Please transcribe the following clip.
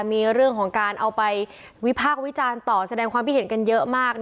มีเรื่องของการเอาไปวิพากษ์วิจารณ์ต่อแสดงความคิดเห็นกันเยอะมาก